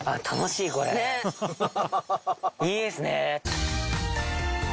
いいですね！